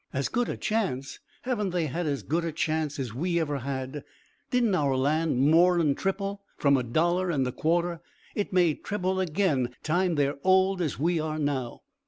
"As good a chance! Haven't they had as good a chance as we ever had? Didn't our land more'n thribble, from a dollar and a quarter? It may thribble again, time they're old as we are now."